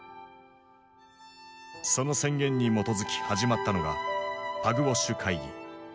その宣言に基づき始まったのがパグウォッシュ会議。